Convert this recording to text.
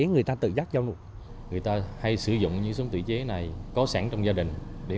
người ta tự giác giao lục người ta hay sử dụng những sống tự chế này có sẵn trong gia đình để